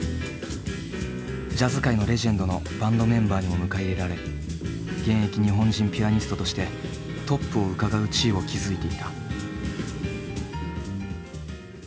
ジャズ界のレジェンドのバンドメンバーにも迎え入れられ現役日本人ピアニストとしてトップをうかがう地位を築いていた。